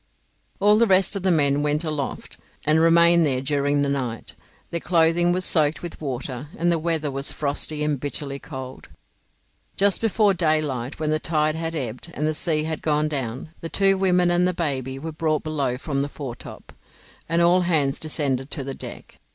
All the rest of the men went aloft, and remained there during the night. Their clothing was soaked with water, and the weather was frosty and bitterly cold. Just before daylight, when the tide had ebbed, and the sea had gone down, the two women and the baby were brought below from the foretop, and all hands descended to the deck.